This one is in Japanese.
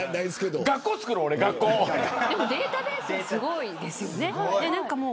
学校をつくデータベースすごいですよね。